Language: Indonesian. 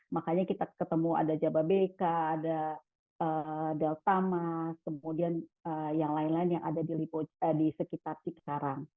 makanya kita ketemu ada jawa bk ada delta mask kemudian yang lain lain yang ada di sekitar jikarang